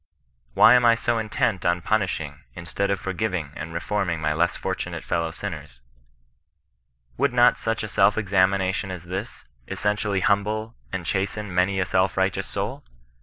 Why am I so intent on punishing instead of for giving and reforming my less fortunate fellow sinners ?"] 7 ^ CHRISTIAN KOK RESISTAKOE. Would not such a self dzamination as this, essentially humble and chasten many a self righteous soul